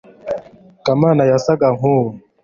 kamana yasaga nkuwo